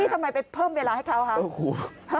ทำไมไปเพิ่มเวลาให้เขาคะ